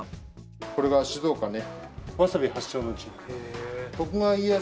これが静岡に。